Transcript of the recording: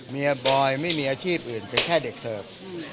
บอยไม่มีอาชีพอื่นเป็นแค่เด็กเสิร์ฟ